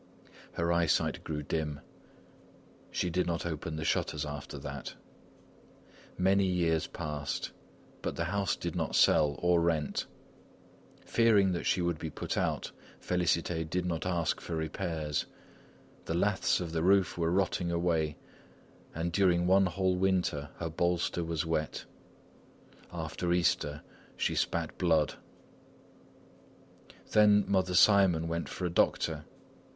Her eyesight grew dim. She did not open the shutters after that. Many years passed. But the house did not sell or rent. Fearing that she would be put out, Félicité did not ask for repairs. The laths of the roof were rotting away, and during one whole winter her bolster was wet. After Easter she spit blood. Then Mother Simon went for a doctor.